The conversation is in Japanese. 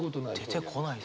出てこない。